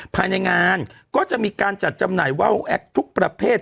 ภายในงานก็จะมีการจัดจำหน่ายว่าวแอคทุกประเภท